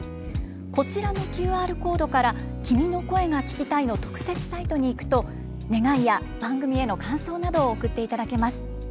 こちらのＱＲコードから「君の声が聴きたい」の特設サイトに行くと願いや番組への感想などを送って頂けます。